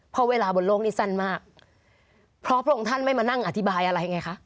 เพราะเวลาบนโลกนี้สั้นมากเพราะพระองค์ท่านไม่มานั่งอธิบายอะไรไงคะ